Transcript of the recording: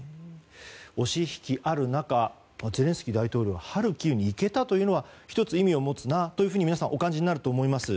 押し引きある中ゼレンスキー大統領はハルキウに行けたというのは１つ、意味を持つと皆さんお感じになると思います。